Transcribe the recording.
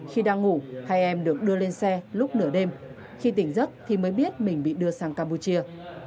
khi đang ngủ hai em được đưa lên xe lúc nửa đêm khi tỉnh giấc thì mới biết mình bị đưa sang campuchia